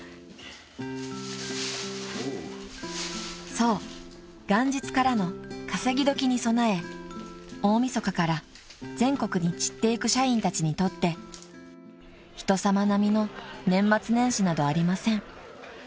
［そう元日からの稼ぎ時に備え大晦日から全国に散っていく社員たちにとって人さま並みの年末年始などありません］